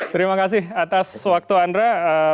terima kasih atas waktu anda